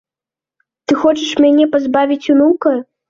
Ты хочаш мяне пазбавіць унука?